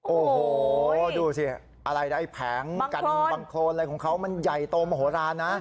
โอ้โหดูสิอะไรไอ้แผงกันบางคนบางคนอะไรของเค้ามันใหญ่โตมหรานะ